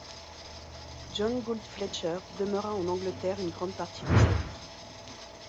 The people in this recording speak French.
John Gould Fletcher, demeura en Angleterre une grande partie de sa vie.